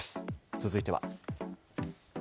続いては。